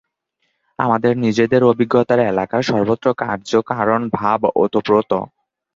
আমাদের নিজেদের অভিজ্ঞতার এলাকার সর্বত্রই কার্য-কারণ-ভাব ওতপ্রোত।